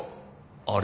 あれ？